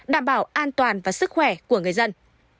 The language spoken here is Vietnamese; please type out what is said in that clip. đảm bảo an toàn và sức khỏe của người dân